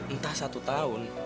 entah satu tahun